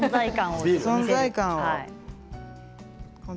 存在感を。